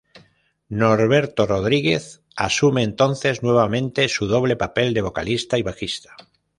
Norberto Rodríguez asume entonces nuevamente su doble papel de vocalista y bajista.